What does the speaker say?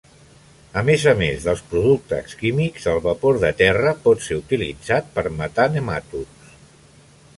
A més a més dels productes químics, el vapor de terra pot ser utilitzat per matar nematots.